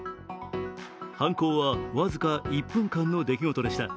犯行は僅か１分間の出来事でした。